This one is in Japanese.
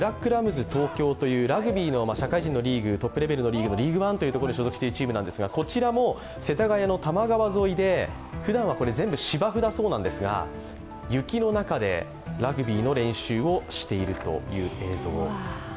ラグビーの社会人のリーグ、ＬＥＡＧＵＥＯＮＥに所属しているチームですがこちらも世田谷の多摩川沿いでふだんは全部芝生だそうなんですが雪の中で、ラグビーの練習をしているという映像。